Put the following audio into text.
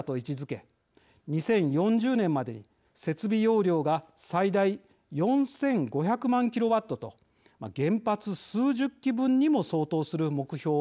２０４０年までに設備容量が最大４，５００万ｋＷと原発数十基分にも相当する目標を掲げています。